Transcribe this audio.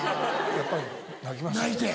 やっぱり泣きましたね。